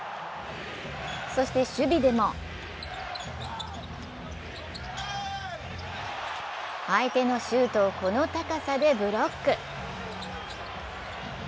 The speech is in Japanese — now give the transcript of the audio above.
そして守備でも相手のシュートをこの高さでブロック。